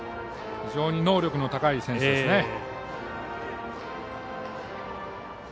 非常に能力の高い選手ですね。